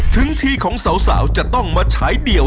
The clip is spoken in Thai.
ถึงทีของสาวจะต้องมาฉายเดี่ยว